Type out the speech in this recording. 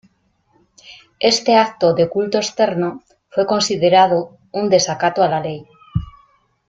Este acto de culto externo, fue considerado un desacato a la ley.